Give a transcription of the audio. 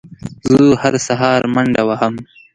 زه هره سهار منډه وهم